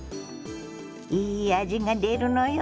いい味が出るのよ。